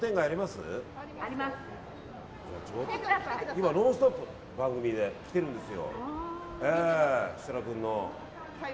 今、「ノンストップ！」という番組で来てるんです。